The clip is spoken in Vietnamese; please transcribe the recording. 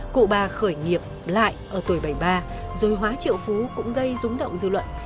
cụ bà khởi nghiệp lại ở tuổi bảy mươi ba rồi hóa triệu phú cũng gây rúng động dư luận